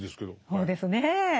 そうですね。